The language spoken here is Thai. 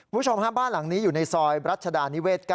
คุณผู้ชมฮะบ้านหลังนี้อยู่ในซอยรัชดานิเศษ๙